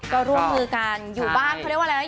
ก็ร่วมมือกันอยู่บ้านเขาเรียกว่าอะไร